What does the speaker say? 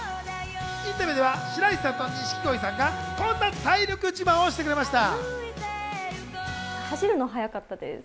インタビューでは白石さんと錦鯉さんがこんな体力自慢をしてくれました。